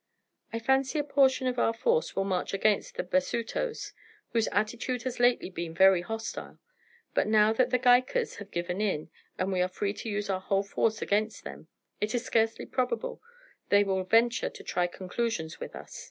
I fancy a portion of our force will march against the Basutos, whose attitude has lately been very hostile; but now that the Gaikas have given in, and we are free to use our whole force against them, it is scarcely probable they will venture to try conclusions with us.